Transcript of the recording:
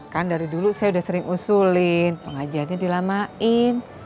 kan dari dulu saya udah sering usulin pengajiannya dilamain